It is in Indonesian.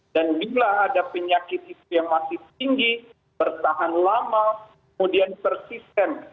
dan bila ada penyakit itu yang masih tinggi bertahan lama kemudian persisten